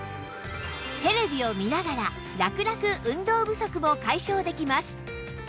テレビを見ながらラクラク運動不足も解消できます